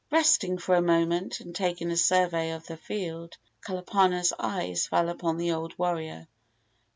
Resting for a moment and taking a survey of the field, Kalapana's eyes fell upon the old warrior.